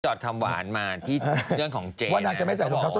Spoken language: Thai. จอดคำหวานมาที่เรื่องของเจ๊แหละ